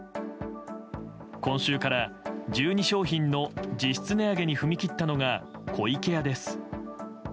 今週から１２商品の実質値上げに踏み切ったのが小池屋です。